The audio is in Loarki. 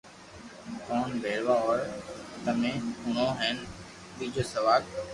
ڪون پيروا ھوئي تمي ھڻَو ھين ٻآجو سوال